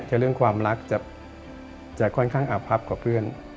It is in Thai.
แต่เรื่องความรักจะค่อนข้างอาพับกว่าเพื่อน